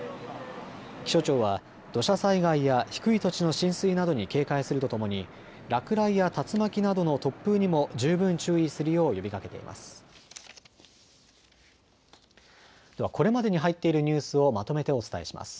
気象庁は土砂災害や低い土地の浸水などに警戒するとともに落雷や竜巻などの突風にも十分注意するよう呼びかけています。